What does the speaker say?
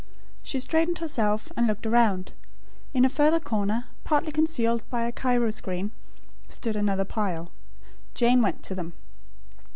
She straightened herself, and looked around. In a further corner, partly concealed by a Cairo screen, stood another pile. Jane went to them.